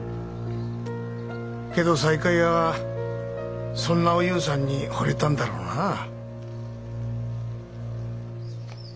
けど西海屋はそんなお夕さんにほれたんだろうなぁ。